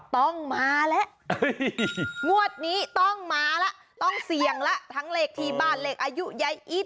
ต้องมาแล้วงวดนี้ต้องมาแล้วต้องเสี่ยงละทั้งเลขที่บ้านเลขอายุยายอีท